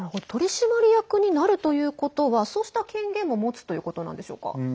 取締役になるということはそうした権限も持つということなんでしょうか？